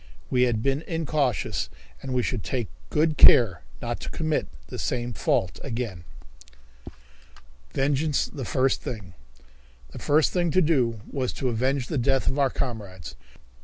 We had been incautious, and we should take good care not to commit the same fault again. Vengeance the First Thing! The first thing to do was to avenge the death of our comrades.